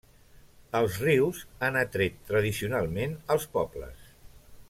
Els rius han atret tradicionalment als pobles.